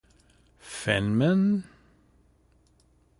Feynman!".